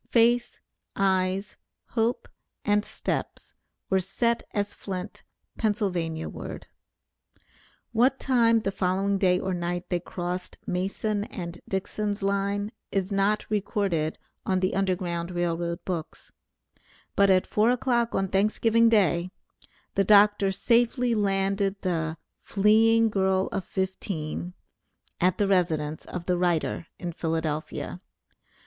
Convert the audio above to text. Face, eyes, hope, and steps, were set as flint, Pennsylvania ward. What time the following day or night they crossed Mason and Dixon's line is not recorded on the Underground Rail Road books, but at four o'clock on Thanksgiving Day, the Dr. safely landed the "fleeing girl of fifteen" at the residence of the writer in Philadelphia.